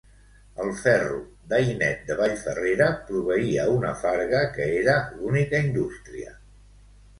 El ferro d'Ainet de Vallferrera proveïa una farga, que era l'única indústria.